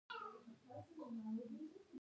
ایا ستاسو حاصلات راټول شوي دي؟